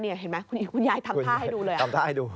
เห็นไหมคุณยายทำท่าให้ดูเลย